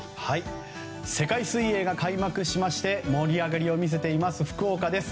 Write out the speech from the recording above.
世界水泳が開幕しまして盛り上がりを見せています福岡です。